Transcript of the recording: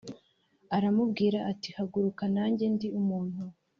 Aramubwira ati haguruka nanjye ndi umuntu